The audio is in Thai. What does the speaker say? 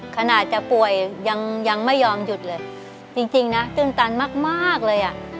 ขนาดจะป่วยยังยังไม่ยอมหยุดเลยจริงนะตื่นตันมากมากเลยอ่ะ